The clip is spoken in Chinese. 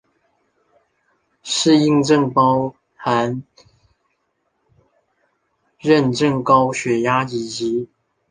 适应症包含妊娠高血压以及。